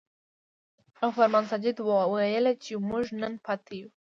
او فرمان ساجد ته يې وويل چې مونږ نن پاتې يو ـ